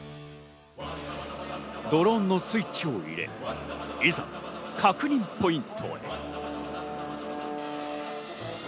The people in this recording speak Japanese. ドローンのスイッチを入れ、いざ確認ポイントへ。